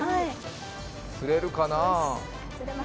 釣れるかなあ。